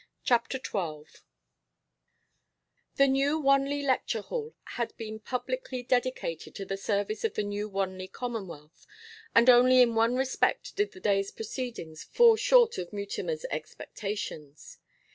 CHAPTER XII The New Wanley Lecture Hall had been publicly dedicated to the service of the New Wanley Commonwealth, and only in one respect did the day's proceedings fall short of Mutimer's expectations.